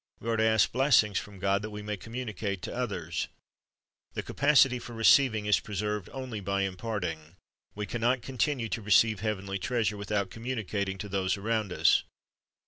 We are to ask blessings from God that we may communicate to others. The capacity for receiving is preserved only by imparting. We can not continue to receive heavenly treasure without communicating to those around us.